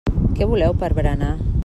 Què voleu per berenar?